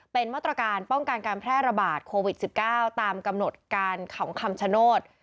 เป็นมาตรการป้องกันการแพร่ระบาดโควิด๑๙ตามกำหนดการเขาคำชโนธ